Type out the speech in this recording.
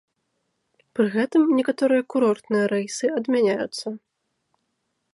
Пры гэтым некаторыя курортныя рэйсы адмяняюцца.